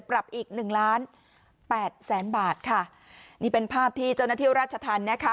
ปรับอีกหนึ่งล้านแปดแสนบาทค่ะนี่เป็นภาพที่เจ้าหน้าที่ราชธรรมนะคะ